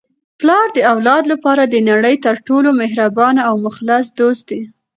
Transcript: پلار د اولاد لپاره د نړۍ تر ټولو مهربانه او مخلص دوست دی.